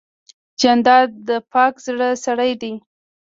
جانداد د پاک زړه سړی دی.